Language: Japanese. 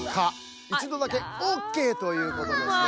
いちどだけオッケーということですね。